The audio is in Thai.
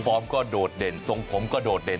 ฟอร์มก็โดดเด่นสงฆ์ผมก็โดดเด่น